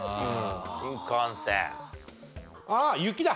あっ雪だ！